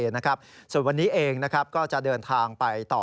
สวัสดิ์วันนี้เองก็จะเดินทางไปต่อ